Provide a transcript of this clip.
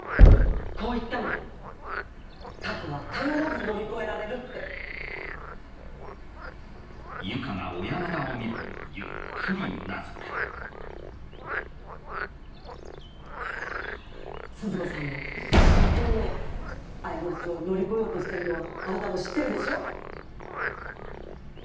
こう言ったの過去は必ず乗り越えられるって鈴子さんも一生懸命過ちを乗り越えようとしてるのはあなたも知ってるでしょう？